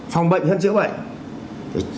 phòng bệnh hơn chữa bệnh